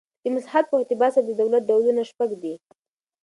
د مساحت په اعتبار سره د دولت ډولونه شپږ دي.